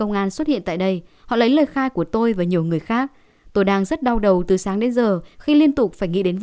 ông chia sẻ